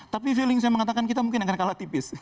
tapi feeling saya mengatakan kita mungkin akan kalah tipis